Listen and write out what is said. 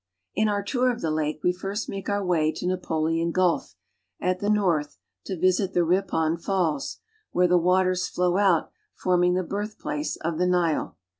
In our tour of the lake we first make our way to Napoleon I Gulf at the north to visit the Ripon (rlp'Qn) Falls, where vthe waters flow out, forming the birthplace of the Nile.